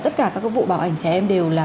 tất cả các vụ bạo ảnh trẻ em đều là